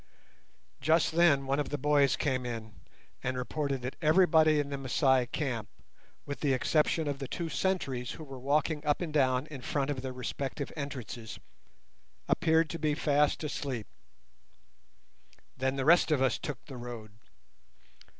Just then one of the boys came in and reported that everybody in the Masai camp, with the exception of the two sentries who were walking up and down in front of the respective entrances, appeared to be fast asleep. Then the rest of us took the road.